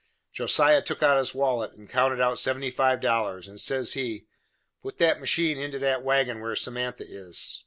Josiah took out his wallet, and counted out 75 dollars, and says he: "Put that machine into that wagon where Samantha is."